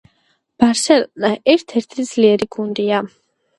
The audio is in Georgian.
ბარსელონა ერთ-ერთი ძლიერი გუნდია